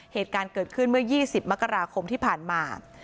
เหตุการณ์เกิดขึ้นเมื่อ๒๐มกราคมที่ผ่านมา